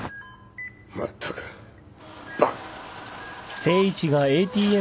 まったくバカ。